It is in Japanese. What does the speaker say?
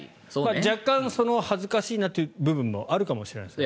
若干、恥ずかしい部分もあるかもしれないです。